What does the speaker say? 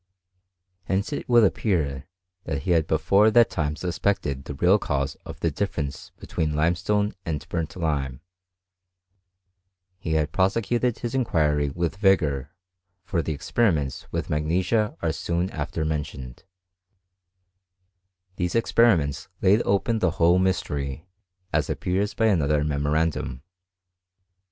Hence it would ar, that he had before that time suspected the real 5 •of the difference between limestone and burnt He had prosecuted his inquiry with vigour ; for the riments with magnesia are soon after mentioned, lese experiments laid open the whole mystery, as dLTS by another memorandum.